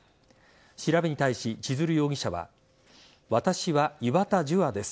調べに対し、千鶴容疑者は私は岩田樹亞です。